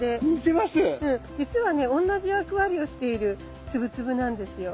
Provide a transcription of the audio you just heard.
じつはね同じ役割をしているツブツブなんですよ。